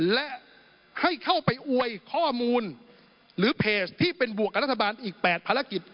และให้เข้าไปอวยข้อมูลหรือเพจที่เป็นบวกกับรัฐบาลอีก๘ภารกิจ